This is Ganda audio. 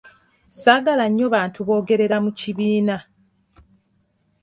Saagala nnyo bantu boogerera mu kibiina.